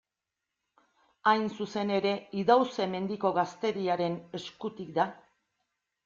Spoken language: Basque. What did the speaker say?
Hain zuzen ere, Idauze-Mendiko gazteriaren eskutik da.